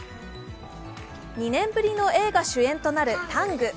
２年ぶりの映画主演となる「ＴＡＮＧタング」。